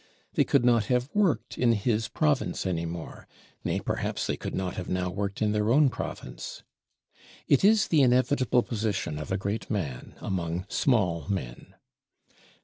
They could not have worked in his province any more; nay perhaps they could not have now worked in their own province. It is the inevitable position of a great man among small men.